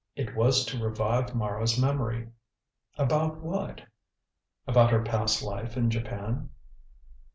"It was to revive Mara's memory." "About what?" "About her past life in Japan."